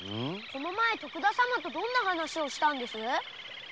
この前徳田様とどんな話をしたんです？